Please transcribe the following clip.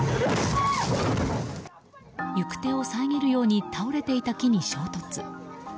行く手を遮るように倒れていた木に衝突。